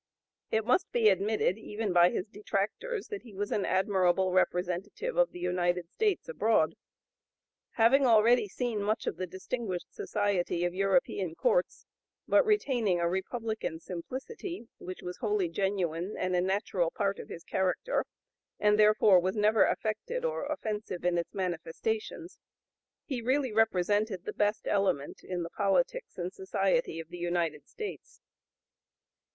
It must be admitted, even by his detractors, that he was an admirable representative of the United States abroad. Having already seen much of the distinguished society of European courts, but retaining a republican simplicity, which was wholly genuine and a natural part of his character and therefore was never affected or offensive in its manifestations, he really represented the best element in the politics and society of the United States.